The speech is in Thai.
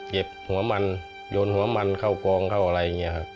หัวมันโยนหัวมันเข้ากองเข้าอะไรอย่างนี้ครับ